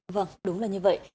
vâng đúng là như vậy